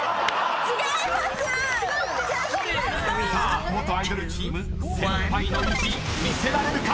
［さあ元アイドルチーム先輩の意地見せられるか⁉］